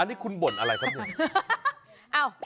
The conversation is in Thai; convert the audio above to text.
อันนี้คุณบ่นอะไรครับผม